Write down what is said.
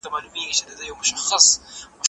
زه مېوې خوړلې ده!!